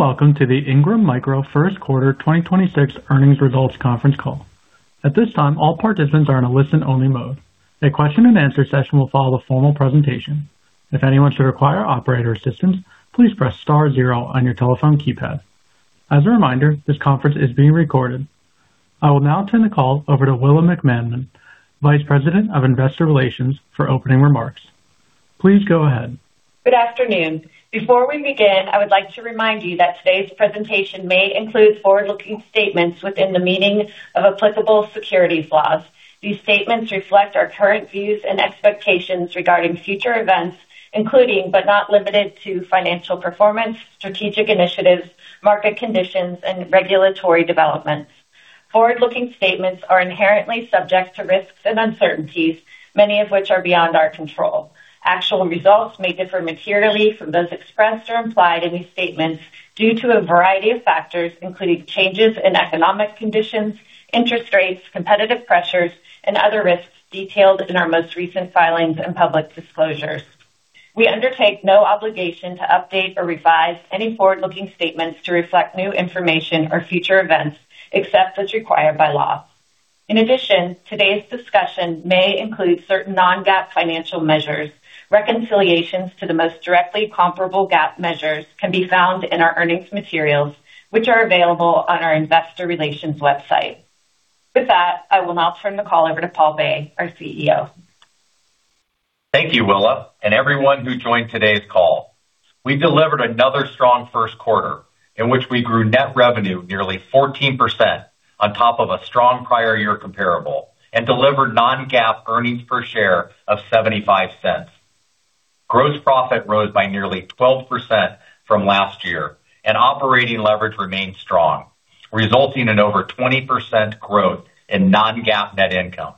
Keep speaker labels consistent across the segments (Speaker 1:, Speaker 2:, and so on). Speaker 1: Welcome to the Ingram Micro First Quarter 2026 Earnings Results Conference Call. I will now turn the call over to Willa McManmon, Vice President of Investor Relations, for opening remarks. Please go ahead.
Speaker 2: Good afternoon. Before we begin, I would like to remind you that today's presentation may include forward-looking statements within the meaning of applicable securities laws. These statements reflect our current views and expectations regarding future events, including, but not limited to, financial performance, strategic initiatives, market conditions, and regulatory developments. Forward-looking statements are inherently subject to risks and uncertainties, many of which are beyond our control. Actual results may differ materially from those expressed or implied in these statements due to a variety of factors, including changes in economic conditions, interest rates, competitive pressures, and other risks detailed in our most recent filings and public disclosures. We undertake no obligation to update or revise any forward-looking statements to reflect new information or future events, except as required by law. In addition, today's discussion may include certain non-GAAP financial measures. Reconciliations to the most directly comparable GAAP measures can be found in our earnings materials, which are available on our investor relations website. With that, I will now turn the call over to Paul Bay, our CEO.
Speaker 3: Thank you, Willa, and everyone who joined today's call. We delivered another strong first quarter in which we grew net revenue nearly 14% on top of a strong prior year comparable and delivered non-GAAP earnings per share of $0.75. Gross profit rose by nearly 12% from last year, and operating leverage remained strong, resulting in over 20% growth in non-GAAP net income.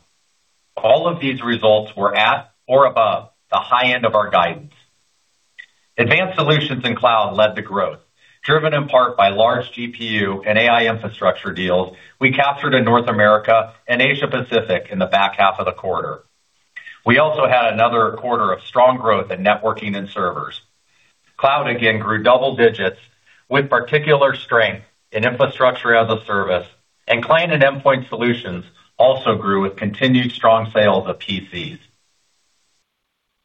Speaker 3: All of these results were at or above the high end of our guidance. Advanced Solutions and Cloud led to growth, driven in part by large GPU and AI infrastructure deals we captured in North America and Asia Pacific in the back half of the quarter. We also had another quarter of strong growth in networking and servers. Cloud again grew double digits with particular strength in Infrastructure as a Service, and Client and Endpoint Solutions also grew with continued strong sales of PCs.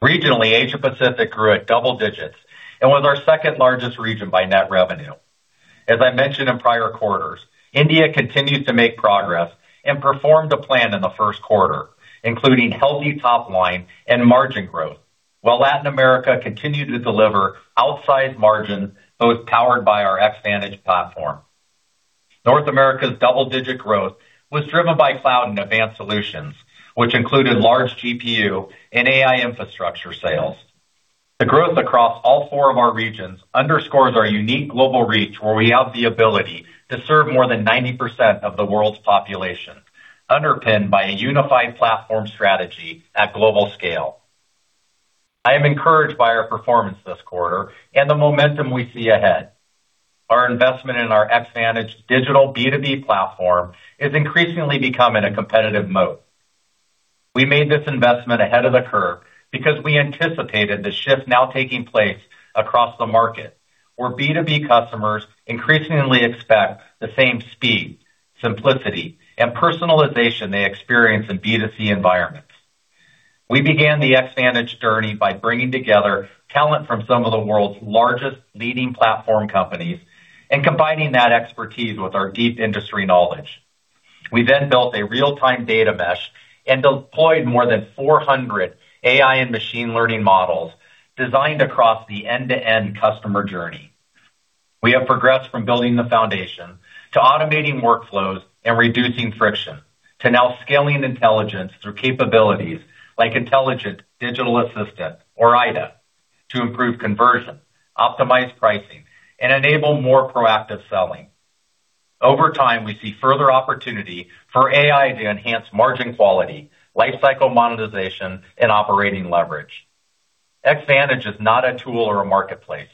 Speaker 3: Regionally, Asia Pacific grew at double digits and was our second-largest region by net revenue. As I mentioned in prior quarters, India continues to make progress and performed to plan in the first quarter, including healthy top line and margin growth, while Latin America continued to deliver outsized margins, both powered by our Xvantage platform. North America's double-digit growth was driven by Cloud and Advanced Solutions, which included large GPU and AI infrastructure sales. The growth across all four of our regions underscores our unique global reach, where we have the ability to serve more than 90% of the world's population, underpinned by a unified platform strategy at global scale. I am encouraged by our performance this quarter and the momentum we see ahead. Our investment in our Xvantage digital B2B platform is increasingly becoming a competitive moat. We made this investment ahead of the curve because we anticipated the shift now taking place across the market, where B2B customers increasingly expect the same speed, simplicity, and personalization they experience in B2C environments. We began the Xvantage journey by bringing together talent from some of the world's largest leading platform companies and combining that expertise with our deep industry knowledge. We built a real-time data mesh and deployed more than 400 AI and machine learning models designed across the end-to-end customer journey. We have progressed from building the foundation to automating workflows and reducing friction to now scaling intelligence through capabilities like Intelligent Digital Assistant, or IDA, to improve conversion, optimize pricing, and enable more proactive selling. Over time, we see further opportunity for AI to enhance margin quality, lifecycle monetization, and operating leverage. Xvantage is not a tool or a marketplace.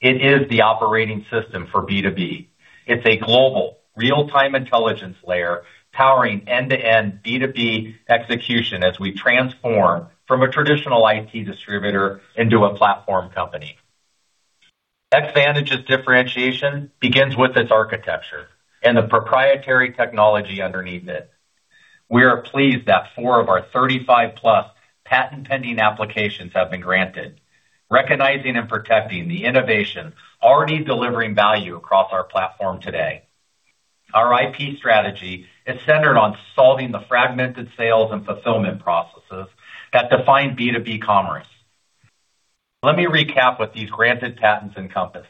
Speaker 3: It is the operating system for B2B. It's a global real-time intelligence layer powering end-to-end B2B execution as we transform from a traditional IT distributor into a platform company. Xvantage's differentiation begins with its architecture and the proprietary technology underneath it. We are pleased that four of our 35+ patent-pending applications have been granted, recognizing and protecting the innovation already delivering value across our platform today. Our IP strategy is centered on solving the fragmented sales and fulfillment processes that define B2B commerce. Let me recap what these granted patents encompass.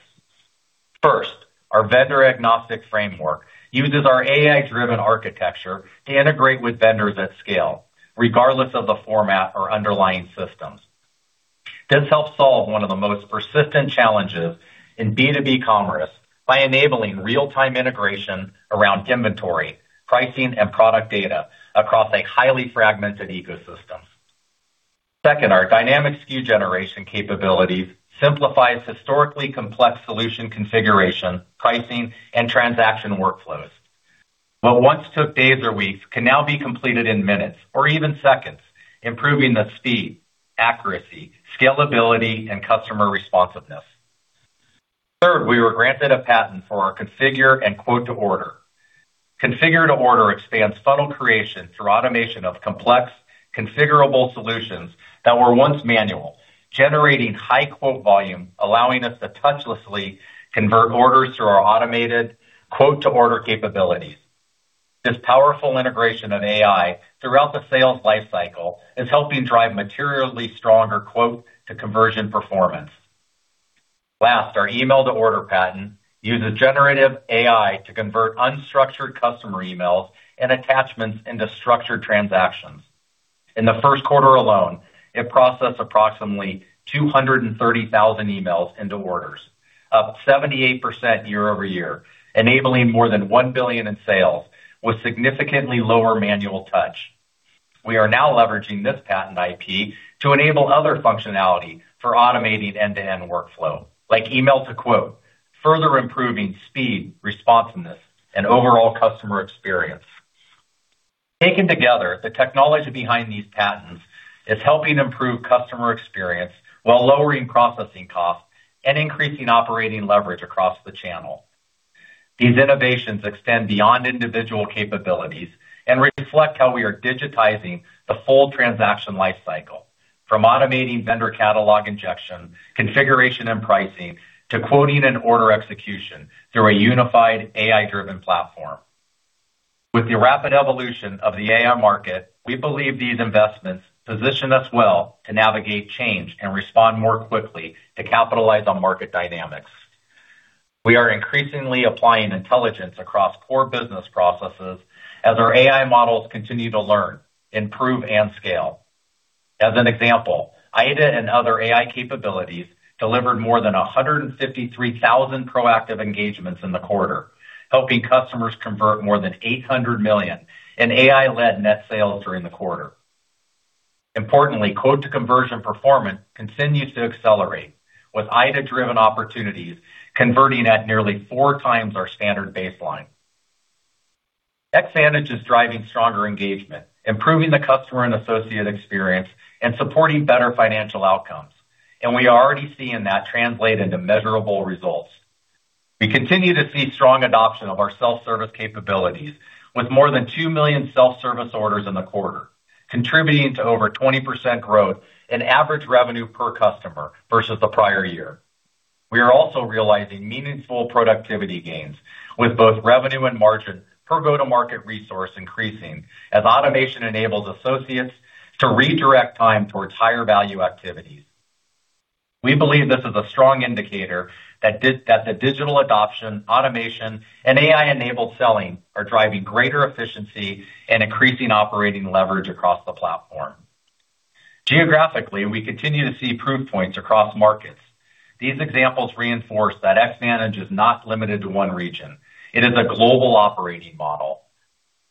Speaker 3: First, our vendor-agnostic framework uses our AI-driven architecture to integrate with vendors at scale, regardless of the format or underlying systems. This helps solve one of the most persistent challenges in B2B commerce by enabling real-time integration around inventory, pricing, and product data across a highly fragmented ecosystem. Second, our dynamic SKU generation capabilities simplifies historically complex solution configuration, pricing, and transaction workflows. What once took days or weeks can now be completed in minutes or even seconds, improving the speed, accuracy, scalability, and customer responsiveness. Third, we were granted a patent for our configure and quote to order. Configure to order expands funnel creation through automation of complex configurable solutions that were once manual, generating high quote volume, allowing us to touchlessly convert orders through our automated quote-to-order capabilities. This powerful integration of AI throughout the sales life cycle is helping drive materially stronger quote-to-conversion performance. Last, our email to order patent uses generative AI to convert unstructured customer emails and attachments into structured transactions. In the first quarter alone, it processed approximately 230,000 emails into orders, up 78% year-over-year, enabling more than $1 billion in sales with significantly lower manual touch. We are now leveraging this patent IP to enable other functionality for automating end-to-end workflow, like email to quote, further improving speed, responsiveness, and overall customer experience. Taken together, the technology behind these patents is helping improve customer experience while lowering processing costs and increasing operating leverage across the channel. These innovations extend beyond individual capabilities and reflect how we are digitizing the full transaction life cycle, from automating vendor catalog injection, configuration, and pricing to quoting and order execution through a unified AI-driven platform. With the rapid evolution of the AI market, we believe these investments position us well to navigate change and respond more quickly to capitalize on market dynamics. We are increasingly applying intelligence across core business processes as our AI models continue to learn, improve, and scale. As an example, IDA and other AI capabilities delivered more than 153,000 proactive engagements in the quarter, helping customers convert more than $800 million in AI-led net sales during the quarter. Importantly, quote-to-conversion performance continues to accelerate, with IDA-driven opportunities converting at nearly 4x our standard baseline. Xvantage is driving stronger engagement, improving the customer and associate experience, and supporting better financial outcomes, and we are already seeing that translate into measurable results. We continue to see strong adoption of our self-service capabilities with more than two million self-service orders in the quarter, contributing to over 20% growth in average revenue per customer versus the prior year. We are also realizing meaningful productivity gains with both revenue and margin per go-to-market resource increasing as automation enables associates to redirect time towards higher-value activities. We believe this is a strong indicator that the digital adoption, automation, and AI-enabled selling are driving greater efficiency and increasing operating leverage across the platform. Geographically, we continue to see proof points across markets. These examples reinforce that Xvantage is not limited to one region. It is a global operating model.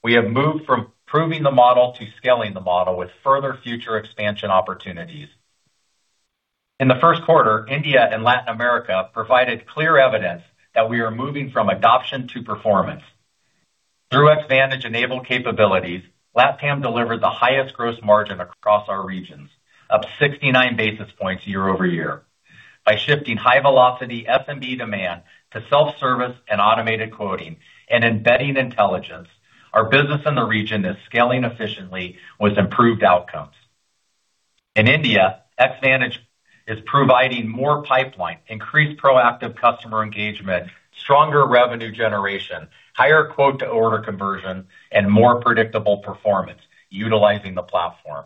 Speaker 3: We have moved from proving the model to scaling the model with further future expansion opportunities. In the first quarter, India and Latin America provided clear evidence that we are moving from adoption to performance. Through Xvantage-enabled capabilities, LATAM delivered the highest gross margin across our regions, up 69 basis points year-over-year. By shifting high-velocity SMB demand to self-service and automated quoting and embedding intelligence, our business in the region is scaling efficiently with improved outcomes. In India, Xvantage is providing more pipeline, increased proactive customer engagement, stronger revenue generation, higher quote-to-order conversion, and more predictable performance utilizing the platform.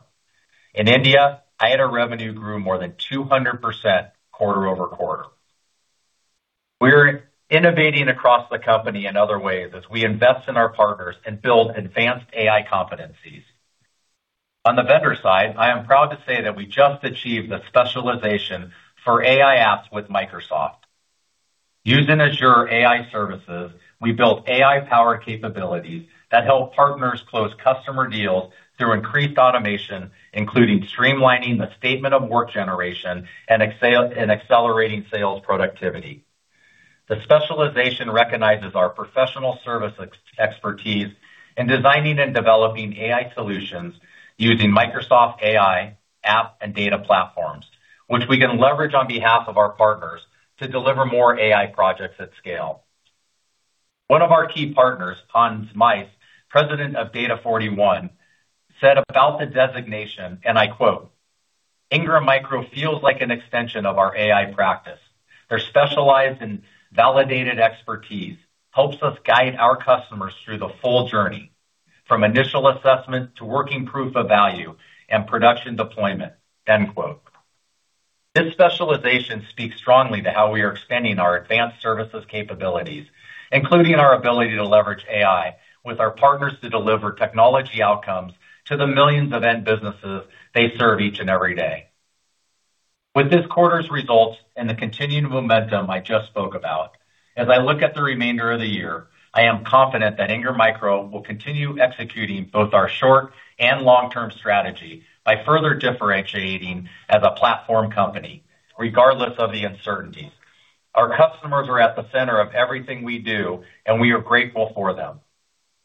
Speaker 3: In India, IDA revenue grew more than 200% quarter-over-quarter. We're innovating across the company in other ways as we invest in our partners and build advanced AI competencies. On the vendor side, I am proud to say that we just achieved a specialization for AI apps with Microsoft. Using Azure AI services, we built AI-powered capabilities that help partners close customer deals through increased automation, including streamlining the statement of work generation and accelerating sales productivity. The specialization recognizes our professional service expertise in designing and developing AI solutions using Microsoft Azure AI and data platforms, which we can leverage on behalf of our partners to deliver more AI projects at scale. One of our key partners, Hans Meijs, President of Data41, said about the designation, and I quote, "Ingram Micro feels like an extension of our AI practice. Their specialized and validated expertise helps us guide our customers through the full journey, from initial assessment to working proof of value and production deployment." End quote. This specialization speaks strongly to how we are expanding our Advanced Services capabilities, including our ability to leverage AI with our partners to deliver technology outcomes to the millions of end businesses they serve each and every day. With this quarter's results and the continued momentum I just spoke about, as I look at the remainder of the year, I am confident that Ingram Micro will continue executing both our short and long-term strategy by further differentiating as a platform company, regardless of the uncertainties. Our customers are at the center of everything we do, and we are grateful for them.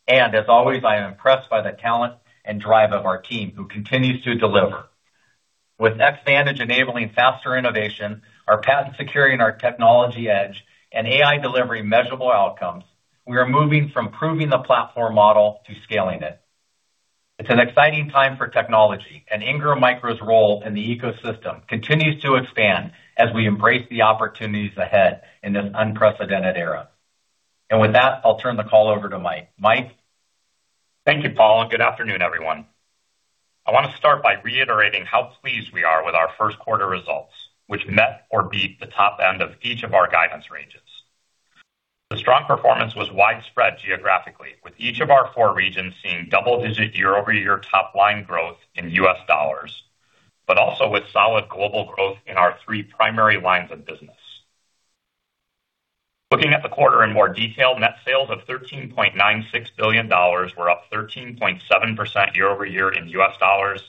Speaker 3: As always, I am impressed by the talent and drive of our team who continues to deliver. With Xvantage enabling faster innovation, our patent securing our technology edge, and AI delivering measurable outcomes, we are moving from proving the platform model to scaling it. It's an exciting time for technology, and Ingram Micro's role in the ecosystem continues to expand as we embrace the opportunities ahead in this unprecedented era. With that, I'll turn the call over to Mike. Mike?
Speaker 4: Thank you, Paul, and good afternoon, everyone. I want to start by reiterating how pleased we are with our first quarter results, which met or beat the top end of each of our guidance ranges. The strong performance was widespread geographically, with each of our four regions seeing double-digit year-over-year top-line growth in U.S. dollars, but also with solid global growth in our three primary lines of business. Looking at the quarter in more detail, net sales of $13.96 billion were up 13.7% year-over-year in U.S. dollars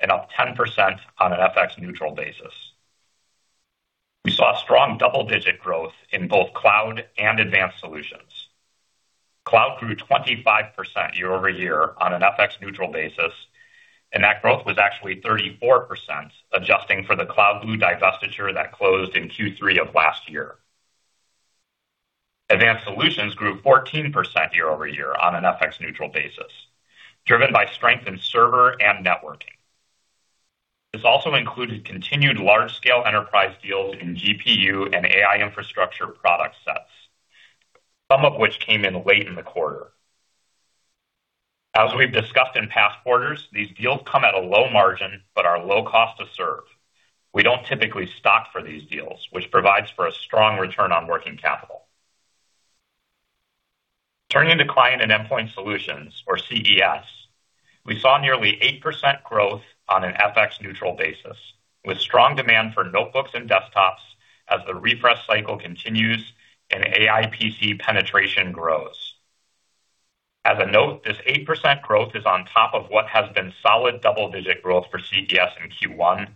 Speaker 4: and up 10% on an FX-neutral basis. We saw strong double-digit growth in both Cloud and Advanced Solutions. Cloud grew 25% year-over-year on an FX-neutral basis, and that growth was actually 34%, adjusting for the CloudBlue divestiture that closed in Q3 of last year. Advanced Solutions grew 14% year-over-year on an FX-neutral basis, driven by strength in server and networking. This also included continued large-scale enterprise deals in GPU and AI infrastructure product sets, some of which came in late in the quarter. As we've discussed in past quarters, these deals come at a low margin but are low-cost to serve. We don't typically stock for these deals, which provides for a strong return on working capital. Turning to Client and Endpoint Solutions, or CES, we saw nearly 8% growth on an FX-neutral basis, with strong demand for notebooks and desktops as the refresh cycle continues and AI PC penetration grows. As a note, this 8% growth is on top of what has been solid double-digit growth for CES in Q1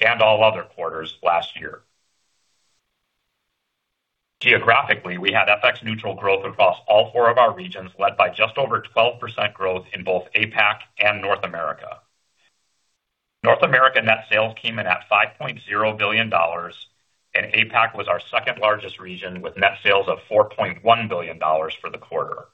Speaker 4: and all other quarters last year. Geographically, we had FX-neutral growth across all four of our regions, led by just over 12% growth in both APAC and North America. North America net sales came in at $5.0 billion, and APAC was our second-largest region, with net sales of $4.1 billion for the quarter.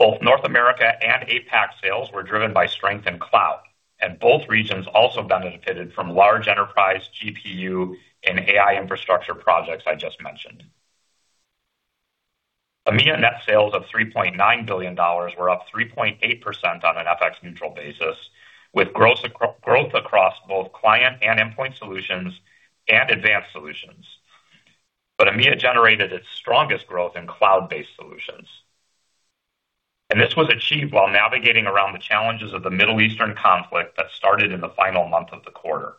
Speaker 4: Both North America and APAC sales were driven by strength in Cloud, and both regions also benefited from large enterprise GPU and AI infrastructure projects, I just mentioned. EMEA net sales of $3.9 billion were up 3.8% on an FX-neutral basis, with gross growth across both Client and Endpoint Solutions and Advanced Solutions. EMEA generated its strongest growth in Cloud-based Solutions. This was achieved while navigating around the challenges of the Middle Eastern conflict that started in the final month of the quarter.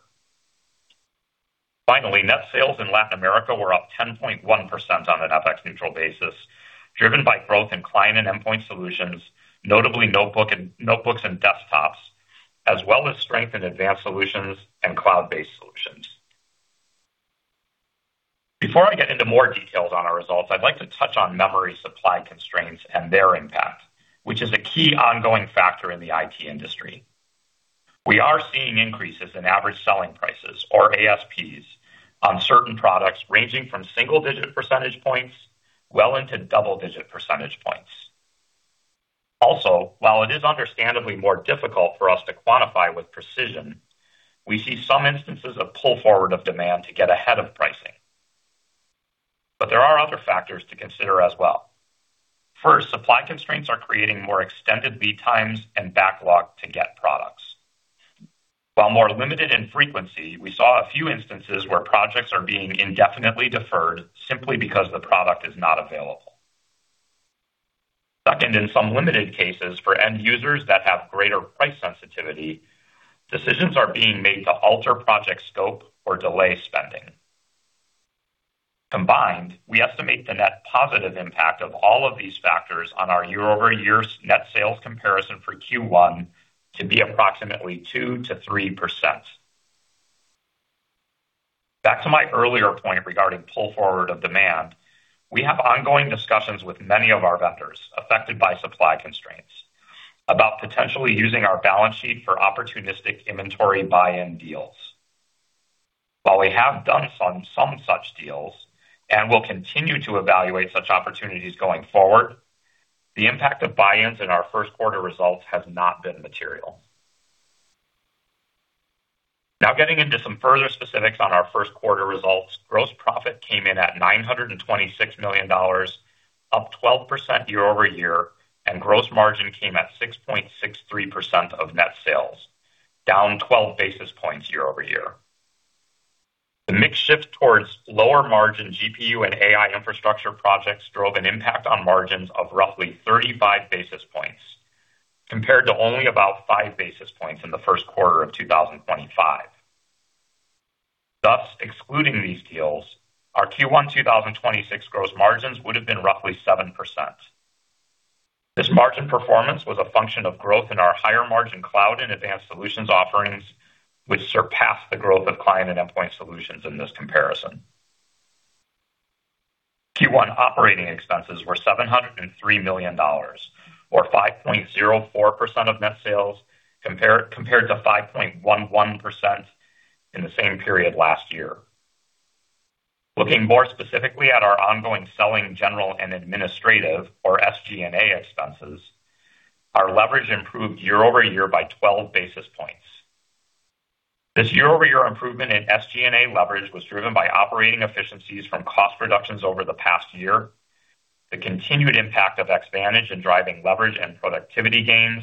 Speaker 4: Net sales in Latin America were up 10.1% on an FX-neutral basis, driven by growth in Client and Endpoint Solutions, notably notebooks and desktops, as well as strength in Advanced Solutions and Cloud-based Solutions. Before I get into more details on our results, I'd like to touch on memory supply constraints and their impact, which is a key ongoing factor in the IT industry. We are seeing increases in average selling prices, or ASPs, on certain products ranging from single-digit percentage points well into double-digit percentage points. While it is understandably more difficult for us to quantify with precision, we see some instances of pull forward of demand to get ahead of pricing. There are other factors to consider as well. First, supply constraints are creating more extended lead times and backlog to get products. While more limited in frequency, we saw a few instances where projects are being indefinitely deferred simply because the product is not available. Second, in some limited cases for end users that have greater price sensitivity, decisions are being made to alter project scope or delay spending. Combined, we estimate the net positive impact of all of these factors on our year-over-year net sales comparison for Q1 to be approximately 2%-3%. Back to my earlier point regarding pull forward of demand. We have ongoing discussions with many of our vendors affected by supply constraints about potentially using our balance sheet for opportunistic inventory buy-in deals. While we have done some such deals and will continue to evaluate such opportunities going forward, the impact of buy-ins in our first quarter results has not been material. Now getting into some further specifics on our first quarter results. Gross profit came in at $926 million, up 12% year-over-year, and gross margin came at 6.63% of net sales, down 12 basis points year-over-year. The mix shift towards lower margin GPU and AI infrastructure projects drove an impact on margins of roughly 35 basis points, compared to only about five basis points in the first quarter of 2025. Thus, excluding these deals, our Q1 2026 gross margins would have been roughly 7%. This margin performance was a function of growth in our higher margin Cloud and Advanced Solutions offerings, which surpassed the growth of Client and Endpoint Solutions in this comparison. Q1 operating expenses were $703 million, or 5.04% of net sales, compared to 5.11% in the same period last year. Looking more specifically at our ongoing selling, general, and administrative, or SG&A expenses, our leverage improved year-over-year by 12 basis points. This year-over-year improvement in SG&A leverage was driven by operating efficiencies from cost reductions over the past year, the continued impact of Xvantage in driving leverage and productivity gains,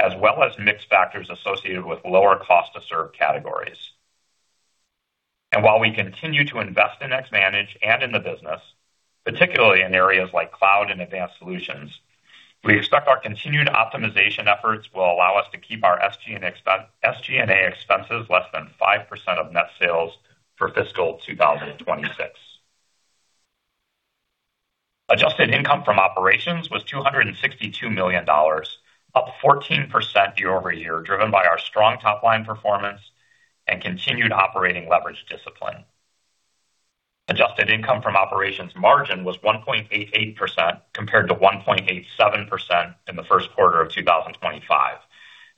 Speaker 4: as well as mix factors associated with lower cost to serve categories. While we continue to invest in Xvantage and in the business, particularly in areas like Cloud and Advanced Solutions, we expect our continued optimization efforts will allow us to keep our SG&A expenses less than 5% of net sales for fiscal 2026. Adjusted income from operations was $262 million, up 14% year-over-year, driven by our strong top-line performance and continued operating leverage discipline. Adjusted income from operations margin was 1.88% compared to 1.87% in the first quarter of 2025,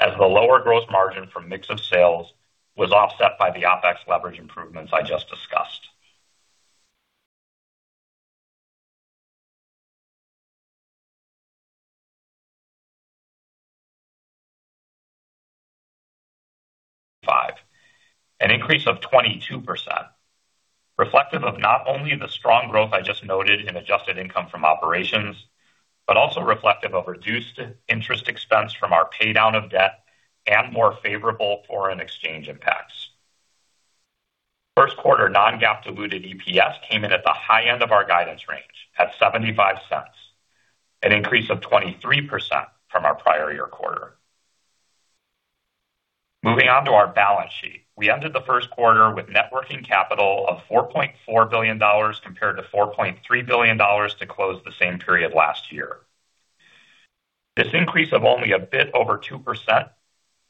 Speaker 4: as the lower gross margin from mix of sales was offset by the OpEx leverage improvements I just discussed. An increase of 22%, reflective of not only the strong growth I just noted in adjusted income from operations, also reflective of reduced interest expense from our paydown of debt and more favorable foreign exchange impacts. First quarter non-GAAP diluted EPS came in at the high end of our guidance range at $0.75, an increase of 23% from our prior year quarter. Moving on to our balance sheet. We ended the first quarter with net working capital of $4.4 billion compared to $4.3 billion to close the same period last year. This increase of only a bit over 2%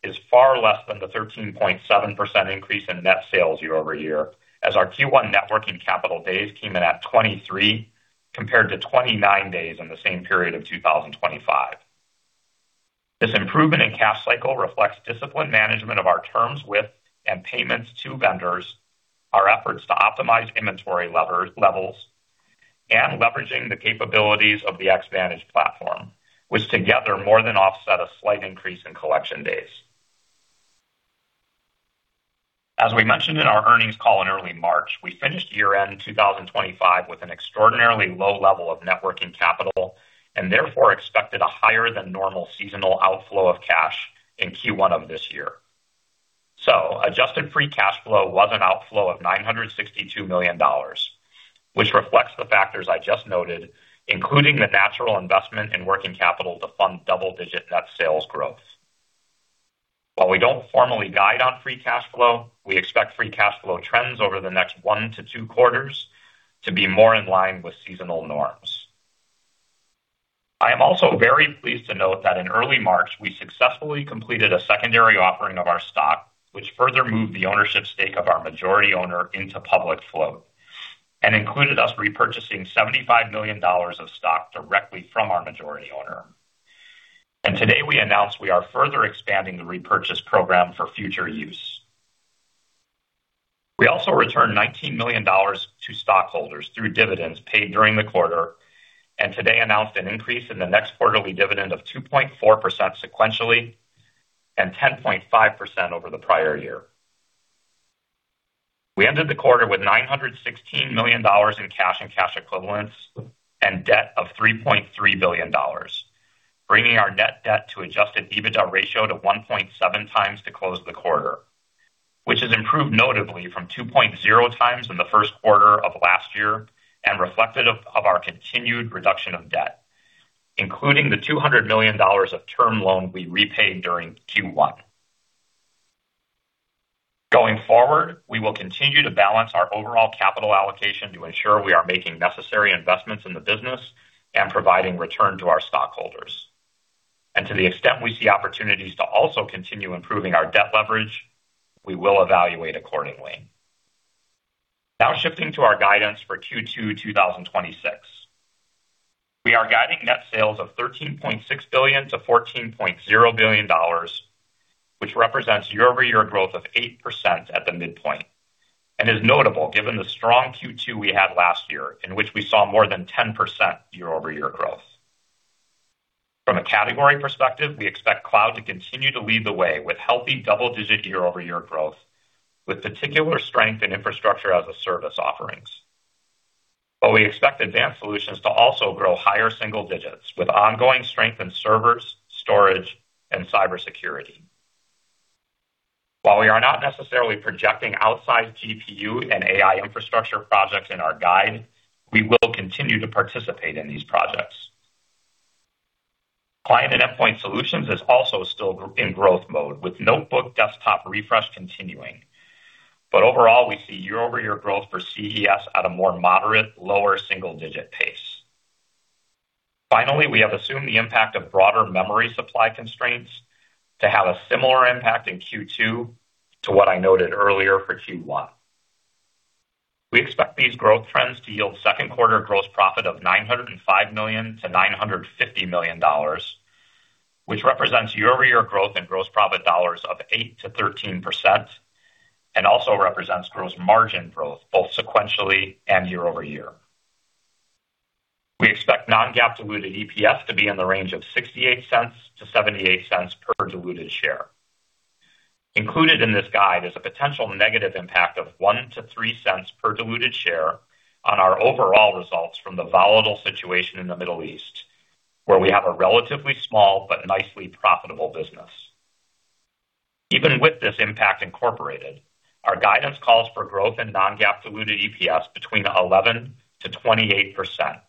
Speaker 4: is far less than the 13.7% increase in net sales year-over-year, as our Q1 net working capital days came in at 23 compared to 29 days in the same period of 2025. This improvement in cash cycle reflects disciplined management of our terms with and payments to vendors, our efforts to optimize inventory levels, and leveraging the capabilities of the Xvantage platform, which together more than offset a slight increase in collection days. As we mentioned in our earnings call in early March, we finished year-end 2025 with an extraordinarily low level of net working capital, therefore expected a higher-than-normal seasonal outflow of cash in Q1 of this year. Adjusted free cash flow was an outflow of $962 million, which reflects the factors I just noted, including the natural investment in working capital to fund double-digit net sales growth. While we don't formally guide on free cash flow, we expect free cash flow trends over the next one to two quarters to be more in line with seasonal norms. I am also very pleased to note that in early March, we successfully completed a secondary offering of our stock, which further moved the ownership stake of our majority owner into public float and included us repurchasing $75 million of stock directly from our majority owner. Today we announced we are further expanding the repurchase program for future use. We also returned $19 million to stockholders through dividends paid during the quarter. Today announced an increase in the next quarterly dividend of 2.4% sequentially and 10.5% over the prior year. We ended the quarter with $916 million in cash and cash equivalents and debt of $3.3 billion, bringing our net debt to adjusted EBITDA ratio to 1.7x to close the quarter, which has improved notably from 2.0x in the first quarter of last year and reflective of our continued reduction of debt, including the $200 million of term loan we repaid during Q1. Going forward, we will continue to balance our overall capital allocation to ensure we are making necessary investments in the business and providing return to our stockholders. To the extent we see opportunities to also continue improving our debt leverage, we will evaluate accordingly. Now shifting to our guidance for Q2 2026. We are guiding net sales of $13.6 billion-$14.0 billion, which represents year-over-year growth of 8% at the midpoint, and is notable given the strong Q2 we had last year, in which we saw more than 10% year-over-year growth. From a category perspective, we expect Cloud to continue to lead the way with healthy double-digit year-over-year growth, with particular strength in Infrastructure as a Service offerings. We expect Advanced Solutions to also grow higher single digits with ongoing strength in servers, storage, and cybersecurity. While we are not necessarily projecting outsized GPU and AI infrastructure projects in our guide, we will continue to participate in these projects. Client and Endpoint Solutions is also still in growth mode with notebook desktop refresh continuing. Overall, we see year-over-year growth for CES at a more moderate lower single-digit pace. Finally, we have assumed the impact of broader memory supply constraints to have a similar impact in Q2 to what I noted earlier for Q1. We expect these growth trends to yield second-quarter gross profit of $905 million-$950 million, which represents year-over-year growth in gross profit dollars of 8%-13% and also represents gross margin growth both sequentially and year-over-year. We expect non-GAAP diluted EPS to be in the range of $0.68-$0.78 per diluted share. Included in this guide is a potential negative impact of $0.01-$0.03 per diluted share on our overall results from the volatile situation in the Middle East, where we have a relatively small but nicely profitable business. Even with this impact incorporated, our guidance calls for growth in non-GAAP diluted EPS between 11%-28%,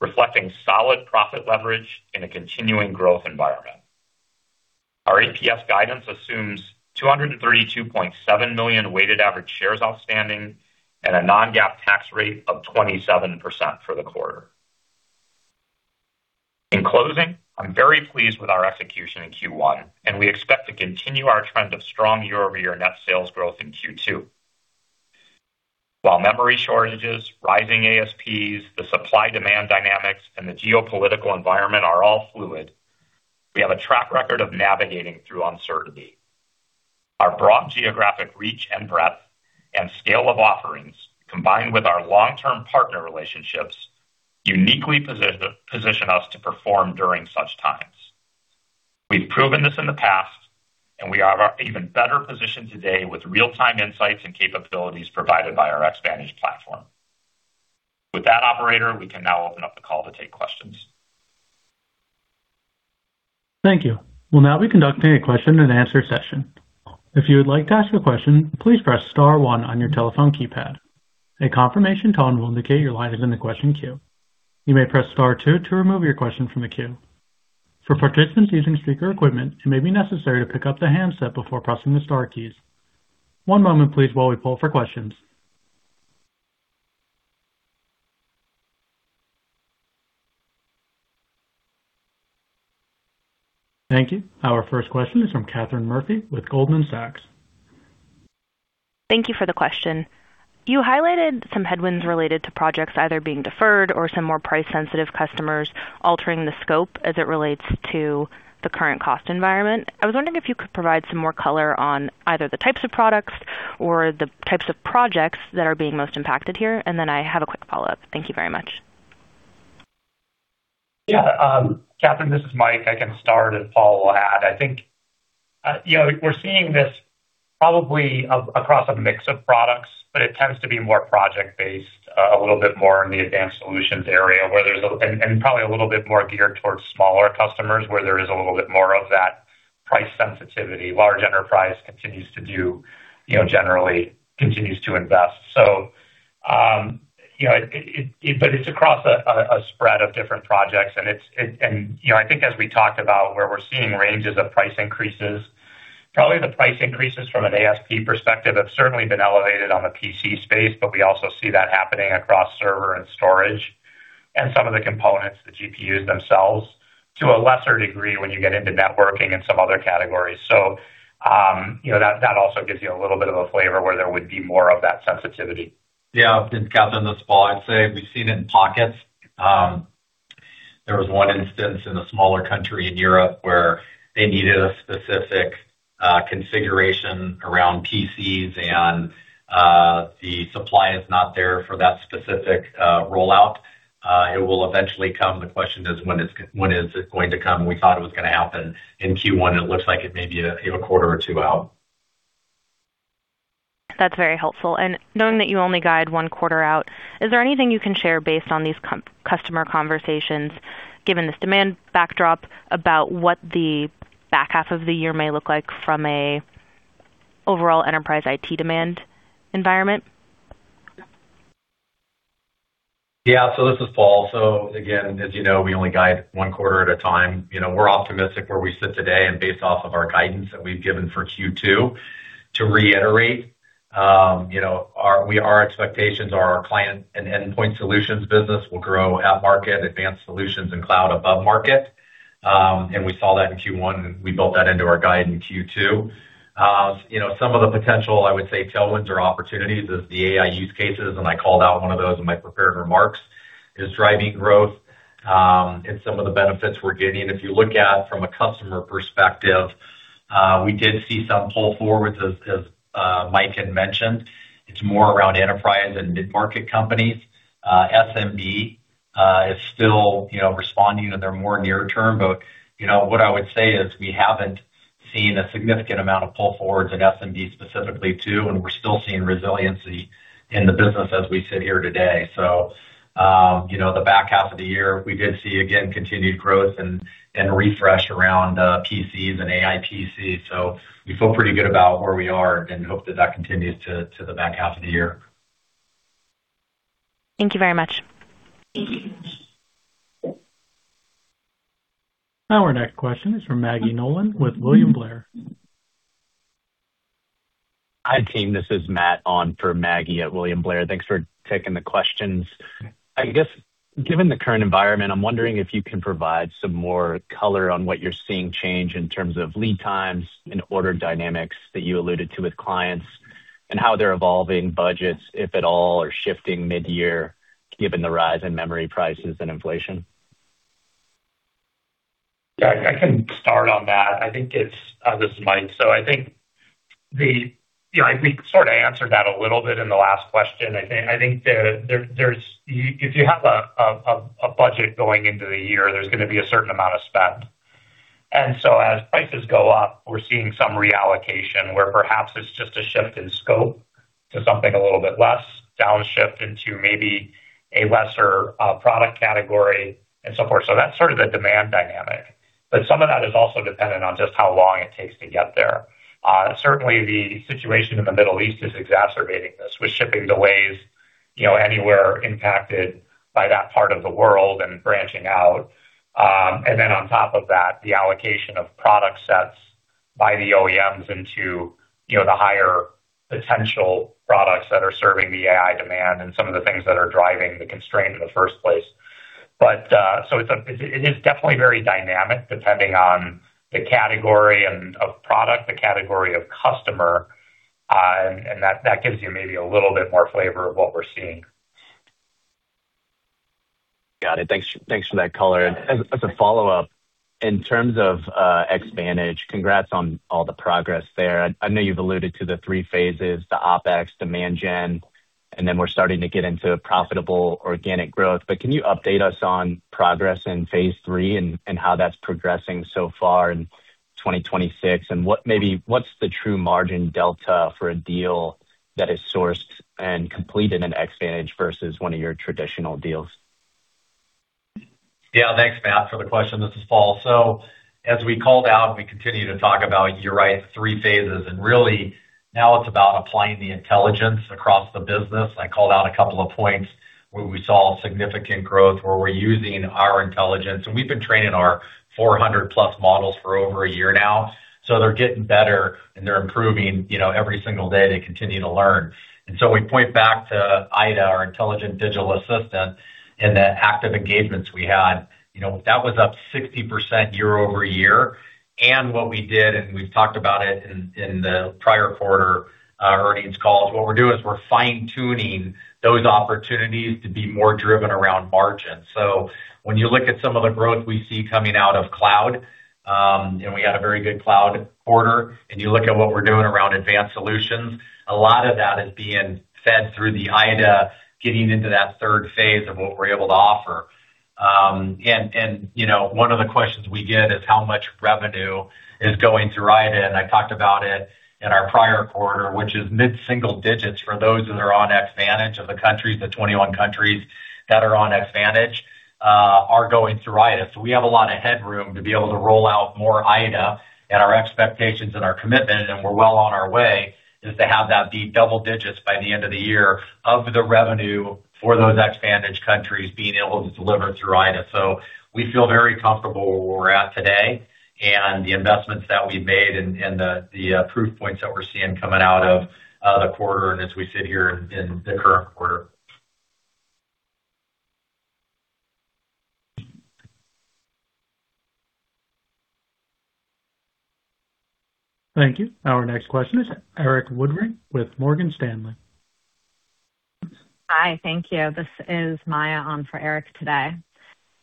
Speaker 4: reflecting solid profit leverage in a continuing growth environment. Our EPS guidance assumes 232.7 million weighted average shares outstanding and a non-GAAP tax rate of 27% for the quarter. In closing, I'm very pleased with our execution in Q1, and we expect to continue our trend of strong year-over-year net sales growth in Q2. While memory shortages, rising ASPs, the supply-demand dynamics, and the geopolitical environment are all fluid, we have a track record of navigating through uncertainty. Our broad geographic reach and breadth and scale of offerings, combined with our long-term partner relationships, uniquely position us to perform during such times. We've proven this in the past, we are even better positioned today with real-time insights and capabilities provided by our Xvantage platform. With that operator, we can now open up the call to take questions.
Speaker 1: Thank you. We'll now be conducting a question-and-answer session. If you would like to ask a question, please press star one on your telephone keypad. A confirmation tone will indicate your line is in the question queue. You may press star two to remove your question from the queue. For participants using speaker equipment, it may be necessary to pick up the handset before pressing the star keys. One moment, please, while we pull for questions. Thank you. Our first question is from Katherine Murphy with Goldman Sachs.
Speaker 5: Thank you for the question. You highlighted some headwinds related to projects either being deferred or some more price-sensitive customers altering the scope as it relates to the current cost environment. I was wondering if you could provide some more color on either the types of products or the types of projects that are being most impacted here, and then I have a quick follow-up? Thank you very much.
Speaker 4: Katherine, this is Mike. I can start and Paul will add. We're seeing this probably across a mix of products, but it tends to be more project-based, a little bit more in the Advanced Solutions area, where there's probably a little bit more geared towards smaller customers, where there is a little bit more of that price sensitivity. Large enterprise continues to do generally continues to invest. It's across a spread of different projects. As we talked about where we're seeing ranges of price increases, probably the price increases from an ASP perspective have certainly been elevated on the PC space. We also see that happening across server and storage, and some of the components, the GPUs themselves, to a lesser degree, when you get into networking and some other categories. That also gives you a little bit of a flavor where there would be more of that sensitivity.
Speaker 3: Katherine, this is Paul. I'd say we've seen it in pockets. There was one instance in a smaller country in Europe where they needed a specific configuration around PCs, and the supply is not there for that specific rollout. It will eventually come. The question is, when is it going to come? We thought it was gonna happen in Q1, and it looks like it may be quarter or two out.
Speaker 5: That's very helpful. Knowing that you only guide one quarter out, is there anything you can share based on these customer conversations, given this demand backdrop about what the back half of the year may look like from an overall enterprise IT demand environment?
Speaker 3: This is Paul. Again, as you know, we only guide one quarter at a time. We're optimistic where we sit today, and based off of our guidance that we've given for Q2. To reiterate, our expectations are our Client and Endpoint Solutions business will grow at market, Advanced Solutions and Cloud above market. We saw that in Q1, and we built that into our guide in Q2. Some of the potential, I would say, tailwinds or opportunities is the AI use cases, and I called out one of those in my prepared remarks, is driving growth, and some of the benefits we're getting. If you look at from a customer perspective, we did see some pull forwards as Mike had mentioned. It's more around enterprise and mid-market companies. SMB is still responding in their more near-term. What I would say is we haven't seen a significant amount of pull forwards at SMB specifically, too, and we're still seeing resiliency in the business as we sit here today. The back half of the year we did see again, continued growth and refresh around PCs and AI PCs. We feel pretty good about where we are and hope that that continues to the back half of the year.
Speaker 5: Thank you very much.
Speaker 1: Our next question is from Maggie Nolan with William Blair.
Speaker 6: Hi, team. This is Matt on for Maggie at William Blair. Thanks for taking the questions. Given the current environment, I'm wondering if you can provide some more color on what you're seeing change in terms of lead times and order dynamics that you alluded to with clients and how they're evolving budgets, if at all, or shifting mid-year, given the rise in memory prices and inflation.
Speaker 4: I can start on that. This is Mike. We answered that a little bit in the last question. There's, if you have a budget going into the year, there's gonna be a certain amount of spend. As prices go up, we're seeing some reallocation where perhaps it's just a shift in scope to something a little bit less, downshift into maybe a lesser product category, and so forth. That's the demand dynamic. Some of that is also dependent on just how long it takes to get there. Certainly the situation in the Middle East is exacerbating this with shipping delays anywhere impacted by that part of the world and branching out. Then on top of that, the allocation of product sets by the OEMs into the higher potential products that are serving the AI demand and some of the things that are driving the constraint in the first place. It is definitely very dynamic depending on the category of product, the category of customer, and that gives you maybe a little bit more flavor of what we're seeing.
Speaker 6: Got it. Thanks for that color. As a follow-up, in terms of Xvantage, congrats on all the progress there. I know you've alluded to the three phases, the OpEx, demand gen, and then we're starting to get into profitable organic growth. Can you update us on progress in phase III and how that's progressing so far in 2026? What's the true margin delta for a deal that is sourced and completed in Xvantage versus one of your traditional deals?
Speaker 3: Thanks, Matt, for the question. This is Paul. As we called out, we continue to talk about, you're right, three phases. Really now it's about applying the intelligence across the business. I called out a couple of points where we saw significant growth where we're using our intelligence, and we've been training our 400+ models for over one year now. They're getting better, and they're improving. Every single day they continue to learn. We point back to IDA, our Intelligent Digital Assistant, and the active engagements we had. That was up 60% year-over-year. What we did, and we've talked about it in the prior quarter, earnings calls, what we're doing is we're fine-tuning those opportunities to be more driven around margin. When you look at some of the growth we see coming out of Cloud, and we had a very good Cloud quarter, and you look at what we're doing around Advanced Solutions, a lot of that is being fed through the IDA getting into that third phase of what we're able to offer. One of the questions we get is how much revenue is going through IDA? I talked about it in our prior quarter, which is mid-single digits for those that are on Xvantage of the countries. The 21 countries that are on Xvantage, are going through IDA. We have a lot of headroom to be able to roll out more IDA and our expectations and our commitment, and we're well on our way, is to have that be double digits by the end of the year of the revenue for those Xvantage countries being able to deliver through IDA. We feel very comfortable where we're at today, and the investments that we've made and the proof points that we're seeing coming out of the quarter, and as we sit here in the current quarter.
Speaker 1: Thank you. Our next question is Erik Woodring with Morgan Stanley.
Speaker 7: Hi. Thank you. This is Maya on for Erik today.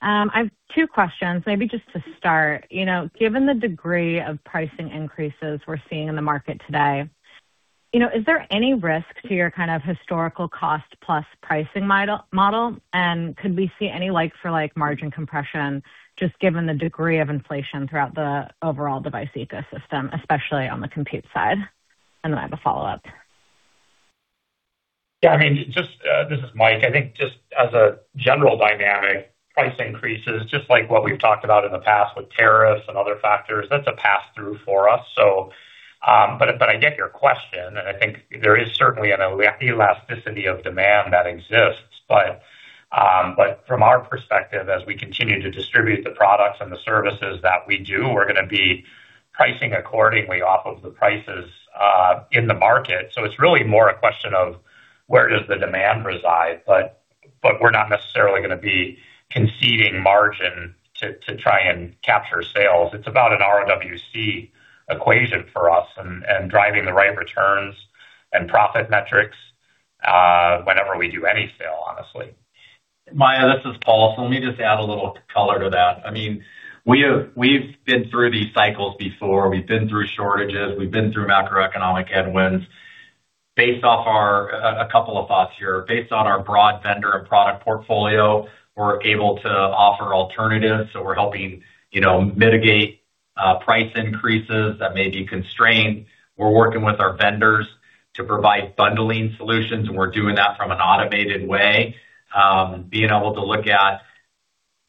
Speaker 7: I've two questions. Maybe just to start given the degree of pricing increases we're seeing in the market today, is there any risk to your historical cost plus pricing model? Could we see any like-for-like margin compression, just given the degree of inflation throughout the overall device ecosystem, especially on the compute side? I have a follow-up.
Speaker 4: This is Mike. Just as a general dynamic, price increases, just like what we've talked about in the past with tariffs and other factors, that's a pass-through for us. I get your question, and there is certainly an elasticity of demand that exists. From our perspective, as we continue to distribute the products and the services that we do, we're gonna be pricing accordingly off of the prices in the market. It's really more a question of where does the demand reside? We're not necessarily gonna be conceding margin to try and capture sales. It's about an ROWC equation for us and driving the right returns and profit metrics whenever we do any sale, honestly.
Speaker 3: Maya, this is Paul. Let me just add a little color to that. We've been through these cycles before. We've been through shortages. We've been through macroeconomic headwinds. A couple of thoughts here. Based on our broad vendor and product portfolio, we're able to offer alternatives. We're helping mitigate price increases that may be constrained. We're working with our vendors to provide bundling solutions, and we're doing that from an automated way. Being able to look at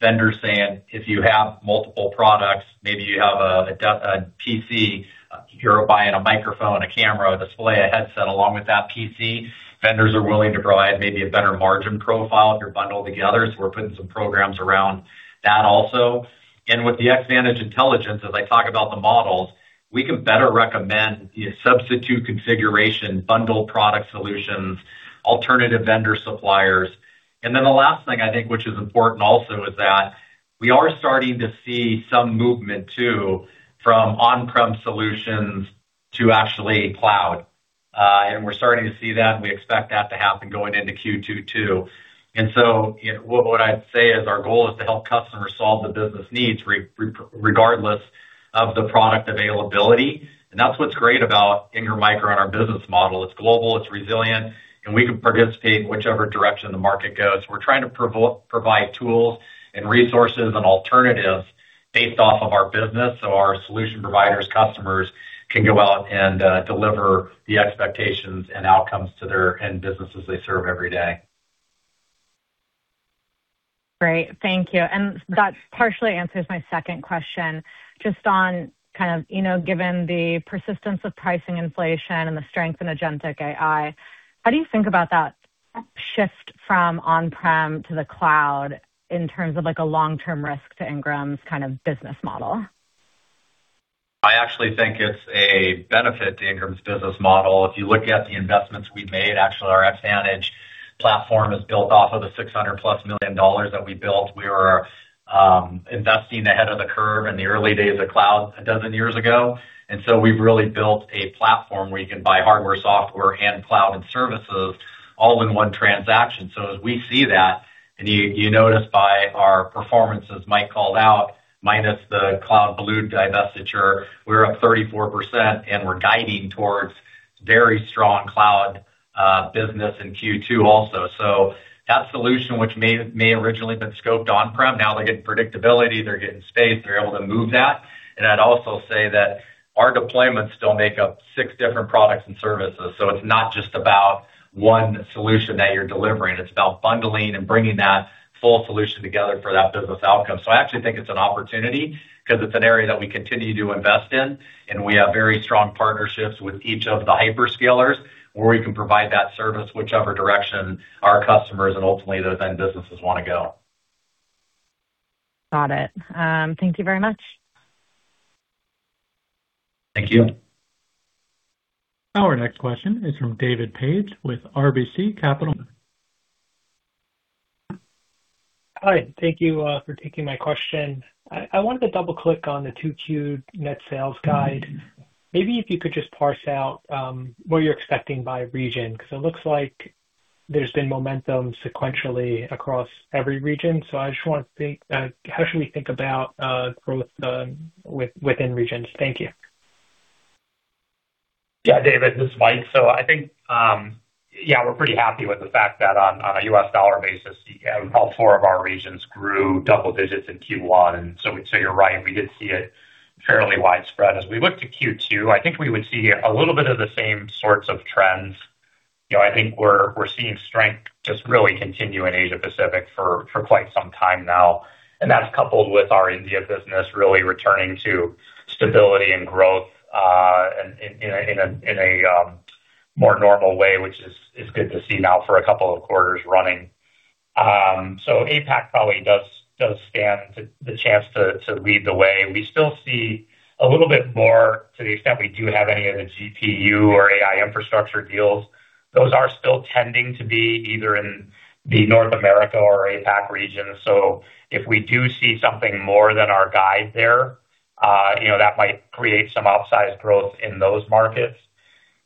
Speaker 3: vendors saying, if you have multiple products, maybe you have a PC. If you're buying a microphone, a camera, a display, a headset along with that PC, vendors are willing to provide maybe a better margin profile if you're bundled together. We're putting some programs around that also. With the Xvantage intelligence, as I talk about the models, we can better recommend substitute configuration, bundle product solutions, alternative vendor suppliers. Then the last thing I think which is important also is that we are starting to see some movement too, from on-prem solutions to actually Cloud. We're starting to see that, and we expect that to happen going into Q2 too. What I'd say is our goal is to help customers solve the business needs regardless of the product availability. That's what's great about Ingram Micro and our business model. It's global, it's resilient, and we can participate in whichever direction the market goes. We're trying to provide tools and resources and alternatives based off of our business. Our solution providers, customers can go out and deliver the expectations and outcomes to their end businesses they serve every day.
Speaker 7: Great. Thank you. That partially answers my second question. Just on given the persistence of pricing inflation and the strength in agentic AI, how do you think about that shift from on-prem to the Cloud in terms of a long-term risk to Ingram's business model?
Speaker 3: I actually think it's a benefit to Ingram Micro's business model. If you look at the investments we've made, actually, our Xvantage platform is built off of the $600+ million that we built. We were investing ahead of the curve in the early days of Cloud 12 years ago. We've really built a platform where you can buy hardware, software, and cloud, and services all in one transaction. As we see that, and you notice by our performance, as Mike called out, minus the CloudBlue divestiture, we're up 34%, and we're guiding towards very strong Cloud business in Q2 also. That solution, which may originally been scoped on-prem, now they're getting predictability, they're getting space, they're able to move that. I'd also say that our deployments still make up six different products and services. It's not just about one solution that you're delivering. It's about bundling and bringing that full solution together for that business outcome. I actually think it's an opportunity because it's an area that we continue to invest in, and we have very strong partnerships with each of the hyperscalers, where we can provide that service whichever direction our customers, and ultimately those end businesses want to go.
Speaker 7: Got it. Thank you very much.
Speaker 3: Thank you.
Speaker 1: Our next question is from David Paige with RBC Capital.
Speaker 8: Hi. Thank you for taking my question. I wanted to double-click on the 2Q net sales guide. Maybe if you could just parse out what you're expecting by region, 'cause it looks like there's been momentum sequentially across every region. I just want to think how should we think about growth within regions? Thank you.
Speaker 4: David, this is Mike. We're pretty happy with the fact that on a U.S. dollar basis, all four of our regions grew double digits in Q1. You're right, we did see it fairly widespread. As we look to Q2, we would see a little bit of the same sorts of trends. We're seeing strength just really continue in Asia Pacific for quite some time now. That's coupled with our India business really returning to stability and growth in a more normal way, which is good to see now for a couple of quarters running. APAC probably does stand the chance to lead the way. We still see a little bit more to the extent we do have any of the GPU or AI infrastructure deals. Those are still tending to be either in the North America or APAC region. If we do see something more than our guide there, you know, that might create some upsized growth in those markets.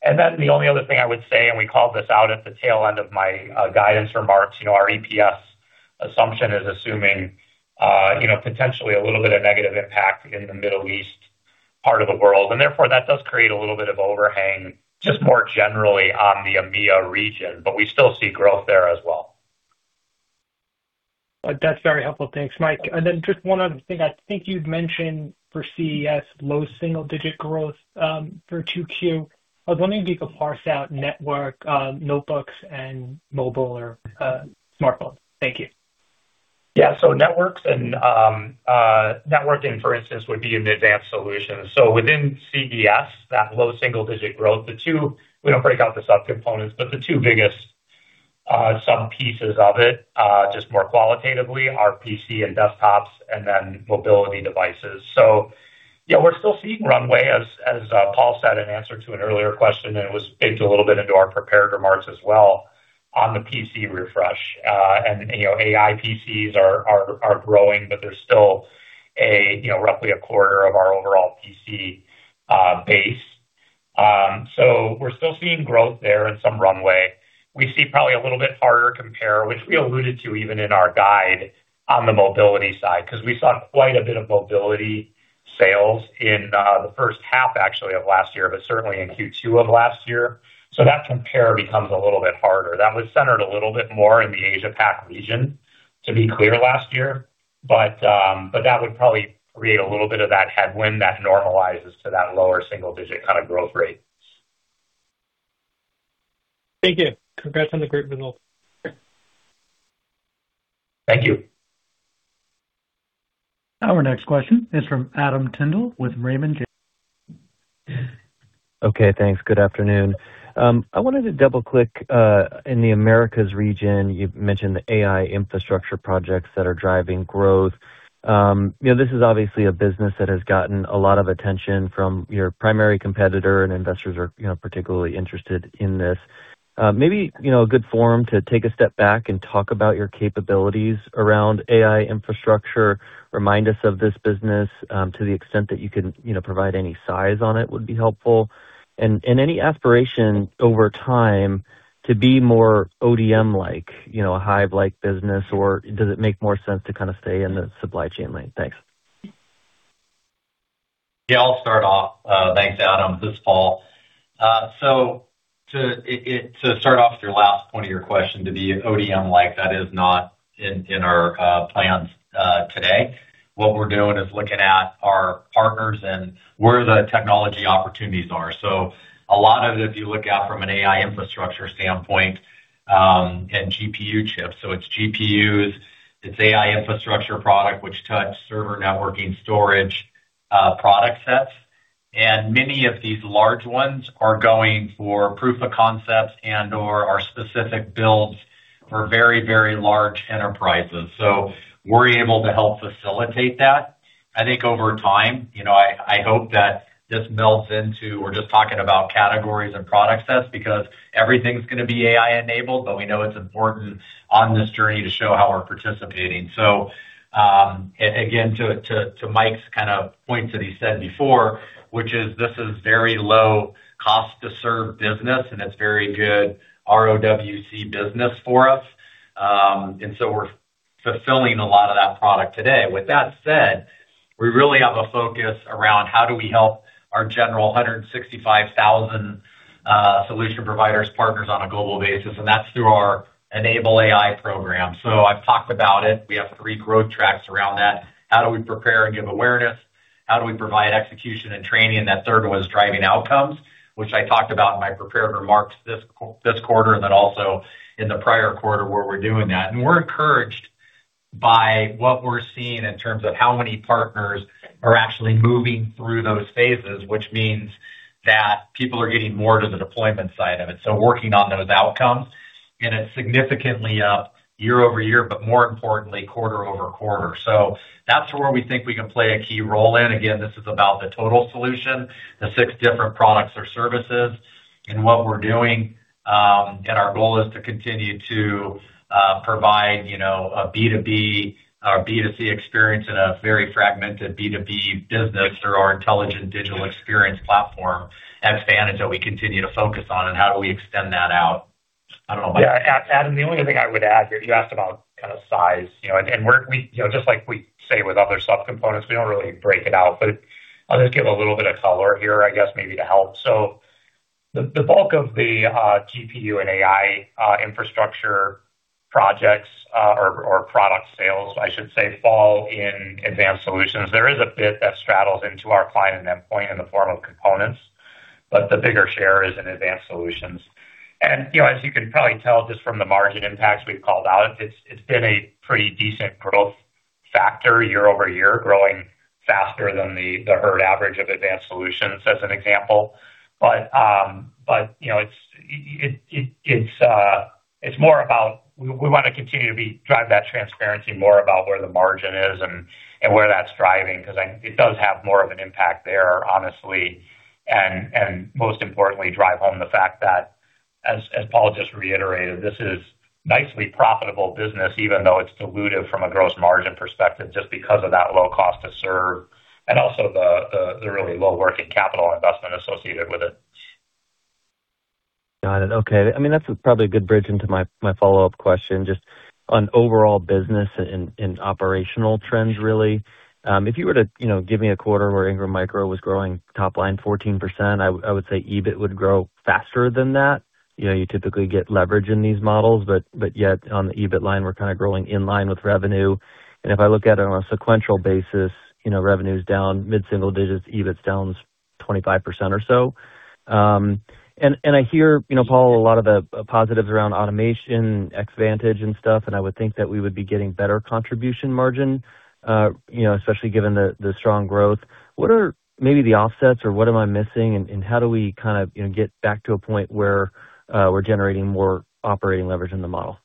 Speaker 4: The only other thing I would say, and we called this out at the tail end of my guidance remarks our EPS assumption is assuming potentially a little bit of negative impact in the Middle East part of the world. Therefore, that does create a little bit of overhang just more generally on the EMEIA region, but we still see growth there as well.
Speaker 8: That's very helpful. Thanks, Mike. Just one other thing. I think you'd mentioned for CES, low single-digit growth for 2Q. I was wondering if you could parse out network, notebooks and mobile or smartphone. Thank you.
Speaker 4: Networks and networking, for instance, would be an Advanced Solutions. Within CES, that low single-digit growth, we don't break out the subcomponents, but the two biggest subpieces of it, just more qualitatively, are PC and desktops and then mobility devices. We're still seeing runway, as Paul said in answer to an earlier question, and it was baked a little bit into our prepared remarks as well on the PC refresh. AI PCs are growing, but they're still a roughly a quarter of our overall PC base. We're still seeing growth there and some runway. We see probably a little bit harder compare, which we alluded to even in our guide on the mobility side, 'cause we saw quite a bit of mobility sales in the first half actually of last year, but certainly in Q2 of last year. That compare becomes a little bit harder. That was centered a little bit more in the Asia Pac region, to be clear, last year. That would probably create a little bit of that headwind that normalizes to that lower single-digit kind of growth rate.
Speaker 8: Thank you. Congrats on the great results.
Speaker 4: Thank you.
Speaker 1: Our next question is from Adam Tindle with Raymond James.
Speaker 9: Okay, thanks. Good afternoon. I wanted to double-click in the Americas region, you've mentioned the AI infrastructure projects that are driving growth. This is obviously a business that has gotten a lot of attention from your primary competitor, and investors are particularly interested in this. Maybe a good forum to take a step back and talk about your capabilities around AI infrastructure. Remind us of this business, to the extent that you can provide any size on it would be helpful. Any aspiration over time to be more ODM-like a Hyve-like business, or does it make more sense to kind of stay in the supply chain lane? Thanks.
Speaker 3: I'll start off. Thanks, Adam. This is Paul. To start off with your last point of your question, to be ODM-like, that is not in our plans today. What we're doing is looking at our partners and where the technology opportunities are. A lot of it, if you look at from an AI infrastructure standpoint, and GPU chips, so it's GPUs, it's AI infrastructure product which touch server networking storage product sets. Many of these large ones are going for proof of concepts and/or are specific builds for very, very large enterprises. We're able to help facilitate that. I think over time, I hope that this melds into we're just talking about categories and product sets because everything's gonna be AI-enabled, but we know it's important on this journey to show how we're participating. To Mike's kind of points that he said before, which is this is very low-cost-to-serve business and it's very good ROWC business for us. We're fulfilling a lot of that product today. With that said, we really have a focus around how do we help our general 165,000 solution providers, partners on a global basis, and that's through our Enable AI program. I've talked about it. We have three growth tracks around that. How do we prepare and give awareness? How do we provide execution and training? That third one is driving outcomes, which I talked about in my prepared remarks this quarter and then also in the prior quarter where we're doing that. We're encouraged by what we're seeing in terms of how many partners are actually moving through those phases, which means that people are getting more to the deployment side of it, so working on those outcomes. It's significantly up year-over-year, but more importantly, quarter-over-quarter. That's where we think we can play a key role in. This is about the total solution, the six different products or services and what we're doing. Our goal is to continue to provide, you know, a B2B or B2C experience in a very fragmented B2B business through our intelligent digital experience platform, Xvantage, that we continue to focus on and how do we extend that out.
Speaker 4: Adam, the only other thing I would add here, you asked about kind of size and we just like we say with other subcomponents, we don't really break it out. I'll just give a little bit of color here, maybe to help. The bulk of the GPU and AI infrastructure projects or product sales, I should say, fall in Advanced Solutions. There is a bit that straddles into our Client and Endpoint in the form of components, but the bigger share is in Advanced Solutions. As you can probably tell just from the margin impacts we've called out, it's been a pretty decent growth factor year-over-year, growing faster than the herd average of Advanced Solutions, as an example. It's more about we wanna continue to drive that transparency more about where the margin is and where that's driving 'cause it does have more of an impact there, honestly. Most importantly, drive home the fact that as Paul just reiterated, this is nicely profitable business, even though it's dilutive from a gross margin perspective, just because of that low cost to serve and also the really low working capital investment associated with it.
Speaker 9: Got it. That's probably a good bridge into my follow-up question, just on overall business and operational trends really. If you were to give me a quarter where Ingram Micro was growing top line 14%, I would say EBIT would grow faster than that. You typically get leverage in these models, but yet on the EBIT line, we're growing in line with revenue. If I look at it on a sequential basis revenue's down mid-single digits, EBIT's down 25% or so. I hear Paul, a lot of the positives around automation, Xvantage and stuff, and I would think that we would be getting better contribution margin especially given the strong growth. What are maybe the offsets or what am I missing and how do we get back to a point where we're generating more operating leverage in the model?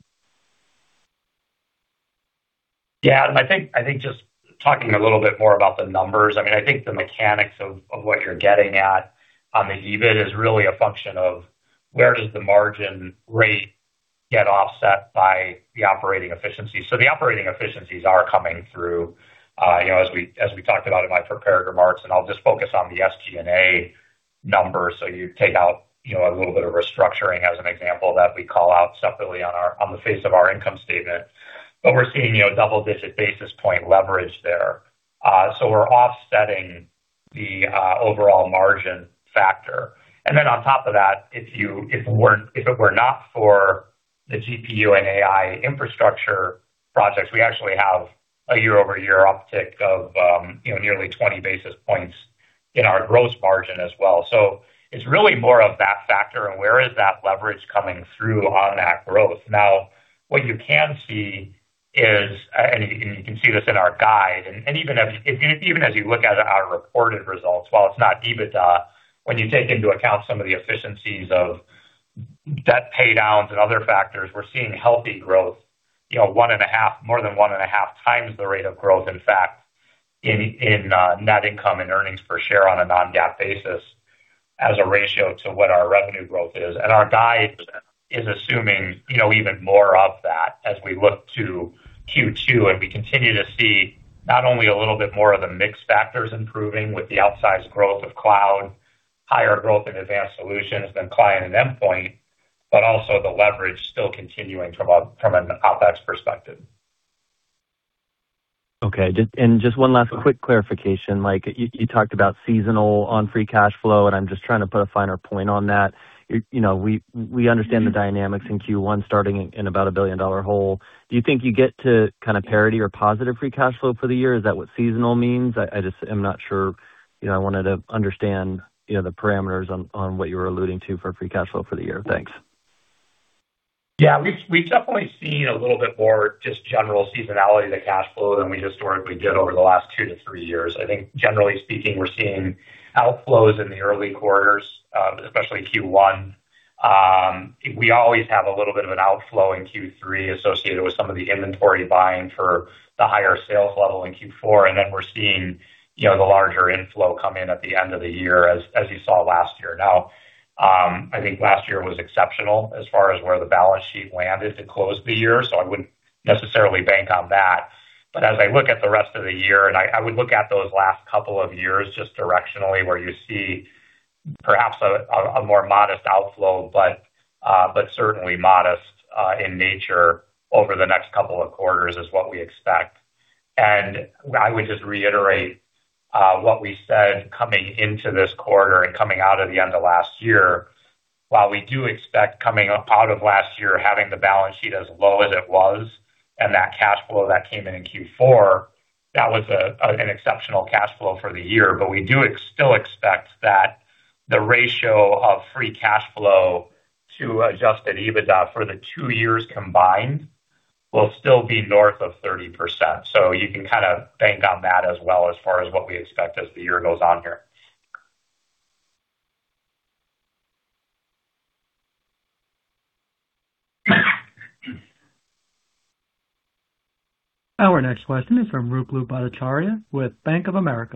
Speaker 4: Just talking a little bit more about the numbers, the mechanics of what you're getting at on the EBIT is really a function of where does the margin rate get offset by the operating efficiency. The operating efficiencies are coming through as we talked about in my prepared remarks, and I'll just focus on the SG&A numbers. You take out a little bit of restructuring as an example that we call out separately on the face of our income statement. We're seeing double-digit basis point leverage there. We're offsetting the overall margin factor. On top of that, if it were not for the GPU and AI infrastructure projects, we actually have a year-over-year uptick of nearly 20 basis points in our gross margin as well. It's really more of that factor and where is that leverage coming through on that growth. What you can see is, you can see this in our guide, even as you look at our reported results, while it's not EBITDA, when you take into account some of the efficiencies of debt pay downs and other factors, we're seeing healthy growth more than 1.5x the rate of growth, in fact, net income and earnings per share on a non-GAAP basis as a ratio to what our revenue growth is. Our guide is assuming even more of that as we look to Q2 and we continue to see not only a little bit more of the mix factors improving with the outsized growth of Cloud, higher growth in Advanced Solutions than Client and Endpoint, but also the leverage still continuing from an OpEx perspective.
Speaker 9: Just one last quick clarification. You talked about seasonal on free cash flow, and I'm just trying to put a finer point on that. We understand the dynamics in Q1 starting in about a $1 billion-dollar hole. Do you think you get to parity or positive free cash flow for the year? Is that what seasonal means? I just am not sure. I wanted to understand the parameters on what you were alluding to for free cash flow for the year. Thanks.
Speaker 4: We've definitely seen a little bit more just general seasonality to cashflow than we historically did over the last two to three years. I think generally speaking, we're seeing outflows in the early quarters, especially Q1. We always have a little bit of an outflow in Q3 associated with some of the inventory buying for the higher sales level in Q4, and then we're seeing the larger inflow come in at the end of the year, as you saw last year. Last year was exceptional as far as where the balance sheet landed to close the year, I wouldn't necessarily bank on that. As I look at the rest of the year, I would look at those last couple of years just directionally, where you see perhaps a more modest outflow, but certainly modest in nature over the next couple of quarters is what we expect. I would just reiterate what we said coming into this quarter and coming out of the end of last year. While we do expect coming out of last year having the balance sheet as low as it was and that cashflow that came in in Q4, that was an exceptional cashflow for the year. We do still expect that the ratio of free cashflow to adjusted EBITDA for the two years combined will still be north of 30%. You can kind of bank on that as well as far as what we expect as the year goes on here.
Speaker 1: Our next question is from Ruplu Bhattacharya with Bank of America.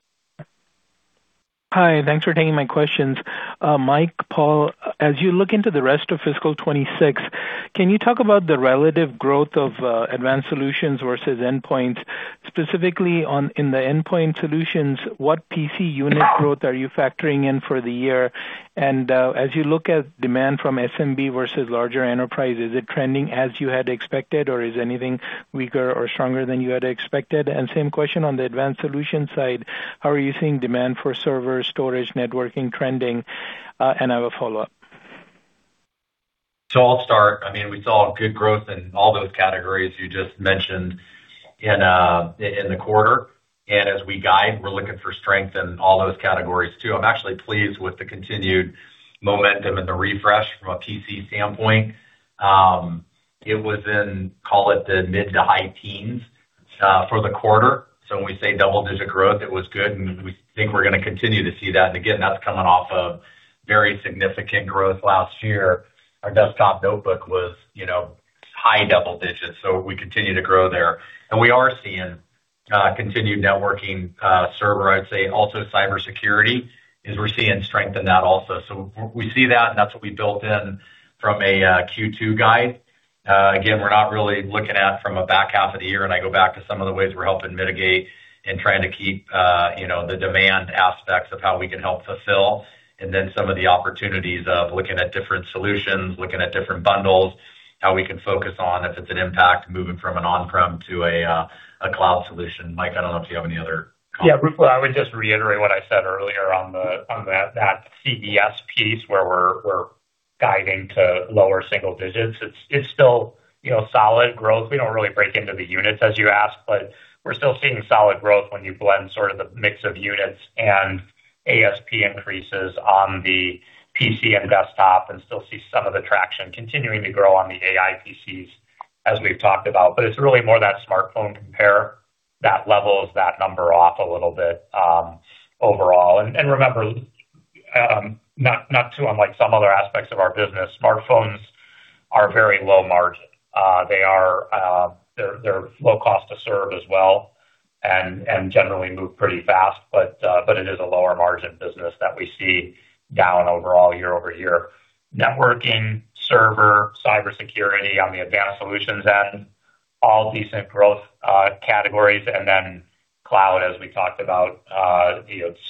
Speaker 10: Hi. Thanks for taking my questions. Mike, Paul, as you look into the rest of fiscal 2026, can you talk about the relative growth of Advanced Solutions versus Endpoint? Specifically, in the Endpoint Solutions, what PC unit growth are you factoring in for the year? As you look at demand from SMB versus larger enterprise, is it trending as you had expected or is anything weaker or stronger than you had expected? Same question on the Advanced Solutions side. How are you seeing demand for server, storage, networking trending? I have a follow-up.
Speaker 3: I'll start. We saw good growth in all those categories you just mentioned in the quarter. As we guide, we're looking for strength in all those categories too. I'm actually pleased with the continued momentum and the refresh from a PC standpoint. It was in, call it, the mid to high teens for the quarter. When we say double-digit growth, it was good, and we think we're gonna continue to see that. That's coming off of very significant growth last year. Our desktop notebook was high double digits, so we continue to grow there. We are seeing continued networking, server, I'd say also cybersecurity, is we're seeing strength in that also. We see that, and that's what we built in from a Q2 guide. We're not really looking at from a back half of the year, and I go back to some of the ways we're helping mitigate and trying to keep the demand aspects of how we can help fulfill, and then some of the opportunities of looking at different solutions, looking at different bundles, how we can focus on if it's an impact moving from an on-prem to a Cloud Solution. Mike, I don't know if you have any other comments.
Speaker 4: Ruplu, I would just reiterate what I said earlier on that CES piece, where we're guiding to lower single digits. It's still solid growth. We don't really break into the units as you asked, but we're still seeing solid growth when you blend sort of the mix of units and ASP increases on the PC and desktop, and still see some of the traction continuing to grow on the AI PCs as we've talked about. It's really more that smartphone compare that levels that number off a little bit, overall. Remember, not too unlike some other aspects of our business, smartphones are very low margin. They are low-cost to serve as well and generally move pretty fast. It is a lower margin business that we see down overall year-over-year. Networking, server, cybersecurity on the Advanced Solutions end, all decent growth categories. Cloud, as we talked about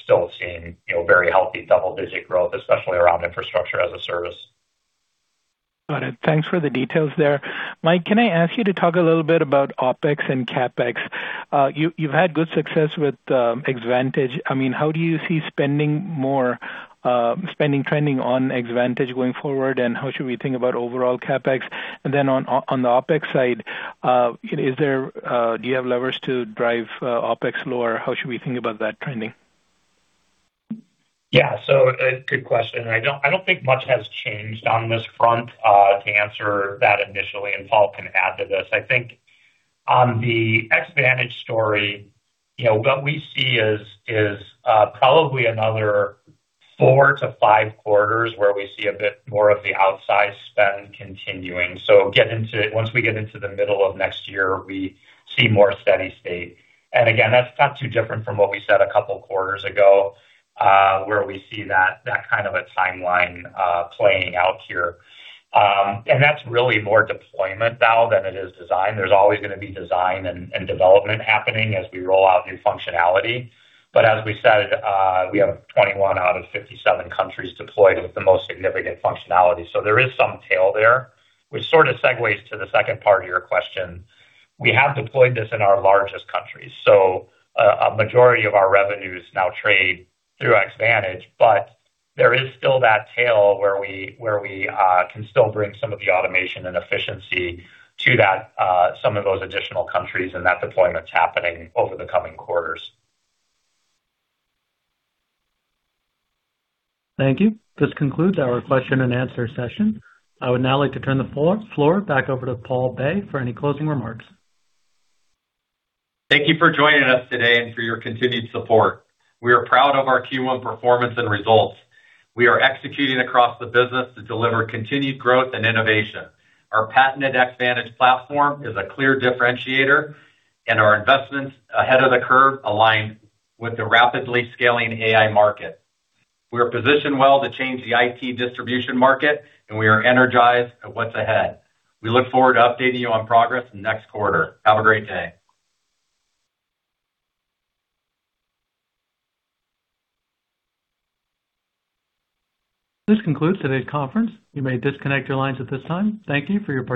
Speaker 4: still seeing very healthy double-digit growth, especially around Infrastructure as a Service.
Speaker 10: Got it. Thanks for the details there. Mike, can I ask you to talk a little bit about OpEx and CapEx? You've had good success with Xvantage. How do you see spending trending on Xvantage going forward, and how should we think about overall CapEx? On the OpEx side, is there, do you have levers to drive OpEx lower? How should we think about that trending?
Speaker 4: Good question. I don't think much has changed on this front, to answer that initially, and Paul can add to this. On the Xvantage story what we see is probably another four to five quarters where we see a bit more of the outsized spend continuing. Once we get into the middle of next year, we see more steady state. That's not too different from what we said a couple quarters ago, where we see that kind of a timeline playing out here. That's really more deployment now than it is design. There's always gonna be design and development happening as we roll out new functionality. As we said, we have 21 out of 57 countries deployed with the most significant functionality. There is some tail there, which segues to the second part of your question. We have deployed this in our largest countries, a majority of our revenues now trade through Xvantage, but there is still that tail where we can still bring some of the automation and efficiency to some of those additional countries, and that deployment's happening over the coming quarters.
Speaker 1: Thank you. This concludes our question-and-answer session. I would now like to turn the floor back over to Paul Bay for any closing remarks.
Speaker 3: Thank you for joining us today and for your continued support. We are proud of our Q1 performance and results. We are executing across the business to deliver continued growth and innovation. Our patented Xvantage platform is a clear differentiator, and our investments ahead of the curve align with the rapidly scaling AI market. We are positioned well to change the IT distribution market, and we are energized at what's ahead. We look forward to updating you on progress next quarter. Have a great day.
Speaker 1: This concludes today's conference. You may disconnect your lines at this time. Thank you for your participation.